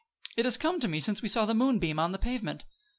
It has come to me since we saw the moonbeam on the pavement.